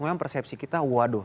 memang persepsi kita waduh